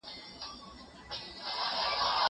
هغه څوک چې درس لولي بریالی کېږي!؟